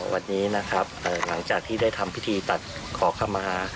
วันนี้นะครับหลังจากที่ได้ทำพิธีตัดขอขมา